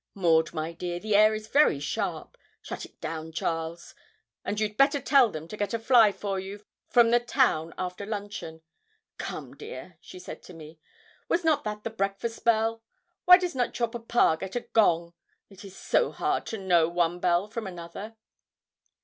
Maud, my dear, the air is very sharp; shut it down, Charles, and you'd better tell them to get a fly for you from the town after luncheon. Come, dear,' she said to me. 'Was not that the breakfast bell? Why does not your papa get a gong? it is so hard to know one bell from another.'